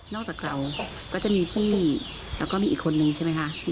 จากเราก็จะมีพี่แล้วก็มีอีกคนนึงใช่ไหมคะ